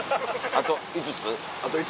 あと５つ。